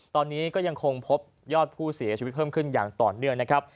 ตอนนี้ก็ยังคงพบยอดผู้เสียชีวิตเพิ่มขึ้นอย่างต่อเนื่องนะครับ